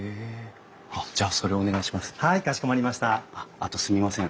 あとすみません。